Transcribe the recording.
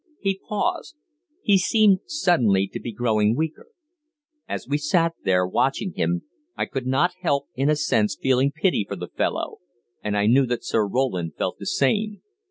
He paused. He seemed suddenly to be growing weaker. As we sat there, watching him, I could not help in a sense feeling pity for the fellow, and I knew that Sir Roland felt the same.